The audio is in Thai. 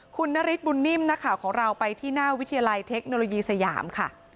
คุณนฤทธบุญนิ่มนักข่าวของเราไปที่หน้าวิทยาลัยเทคโนโลยีสยามค่ะ